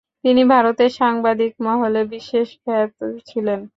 তিনি ভারতের সাংবাদিক মহলে বিশেষ খ্যাত ছিলেন।